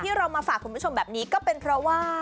เรามาฝากคุณผู้ชมแบบนี้ก็เป็นเพราะว่า